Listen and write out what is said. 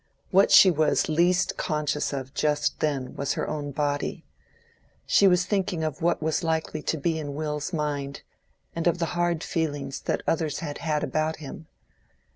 What she was least conscious of just then was her own body: she was thinking of what was likely to be in Will's mind, and of the hard feelings that others had had about him.